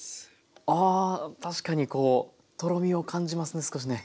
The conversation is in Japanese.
あ確かにこうとろみを感じますね少しね。